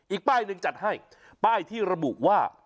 อีกป้ายหนึ่งจัดให้ป้ายที่ระบุว่า